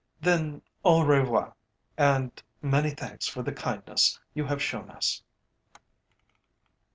"Then, au revoir, and many thanks for the kindness you have shown us."